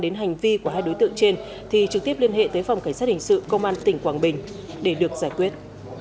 đến hành vi của hai đối tượng trên thì trực tiếp liên hệ tới phòng cảnh sát hình sự công an tỉnh quảng bình để được giải quyết